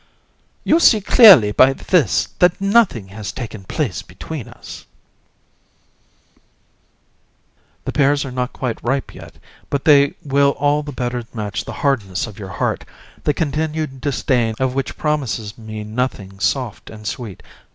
COUN. You see clearly by this that nothing has taken place between us. VISC. "The pears are not quite ripe yet, but they will all the better match the hardness of your heart, the continued disdain of which promises me nothing soft and sweet.